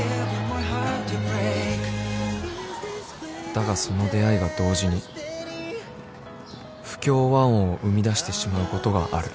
［だがその出会いが同時に不協和音を生み出してしまうことがある］